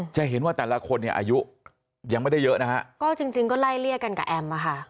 จะเห็นว่าแต่ละคนเนี่ยอายุยังไม่ได้เยอะนะฮะก็จริงจริงก็ไล่เลี่ยกันกับแอมอะค่ะ